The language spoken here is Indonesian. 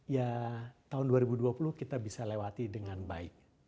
ya tahun dua ribu dua puluh kita bisa lewati dengan baik